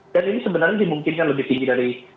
dan ini sebenarnya dimungkinkan lebih tinggi dari